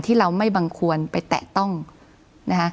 ที่เราไม่บังควรไปแตะต้องนะคะ